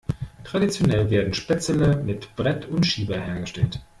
Traditionell werden Spätzle mit Brett und Schieber hergestellt.